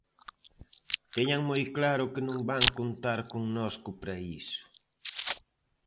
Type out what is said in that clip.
Teñan moi claro que non van contar connosco para iso.